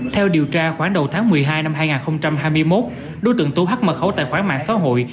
theo điều tra khoảng đầu tháng một mươi hai năm hai nghìn hai mươi một đối tượng tú hắt mật khẩu tài khoản mạng xã hội